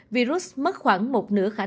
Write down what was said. virus mất khoảng một nửa khả năng